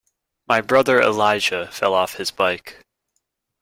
My brother Elijah fell off his bike.